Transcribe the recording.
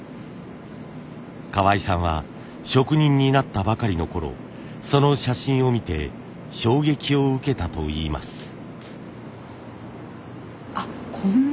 河合さんは職人になったばかりのころその写真を見て衝撃を受けたといいます。